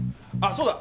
そうだ。